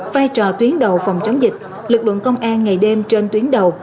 vai trò tuyến đầu phòng chống dịch lực lượng công an ngày đêm trên tuyến đầu